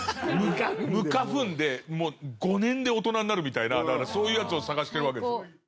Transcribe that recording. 無花粉で５年で大人になるみたいなそういうやつを探してるわけでしょ。